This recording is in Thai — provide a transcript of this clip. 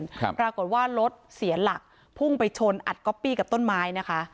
ปรากฏว่ารถเสียหลักพุ่งไปชนอัดก๊อปปี้กับต้นไม้นะคะ